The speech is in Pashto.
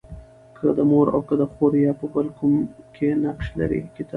که د مور او که د خور يا په بل کوم نقش کې تل